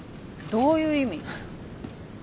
どういう意味？